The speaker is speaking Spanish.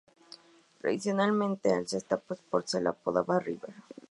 Tradicionalmente al Sestao Sport se le apodaba "River".